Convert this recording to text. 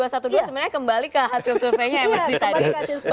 sebenarnya kembali ke hasil surveinya yang masih tadi